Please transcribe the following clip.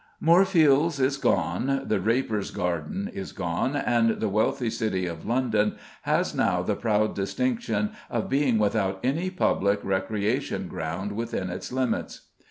Moorfields is gone, the Drapers' Garden is gone, and the wealthy City of London has now the proud distinction of being without any public recreation ground within its limits.